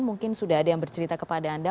mungkin sudah ada yang bercerita kepada anda